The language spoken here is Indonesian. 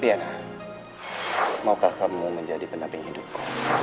ya maukah kamu menjadi pendamping hidupku